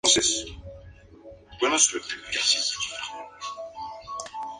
La ubicación de los grandes santuarios de Adonis y Afrodita no han sido identificados.